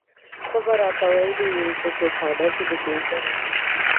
ته به راته ويلې بچوخانه زه دې پېژنم.